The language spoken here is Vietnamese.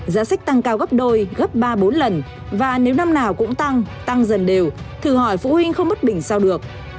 giá sách tăng cao gấp đôi gấp ba bốn lần và nếu năm nào cũng tăng tăng dần đều thử hỏi phụ huynh không mất bình sau được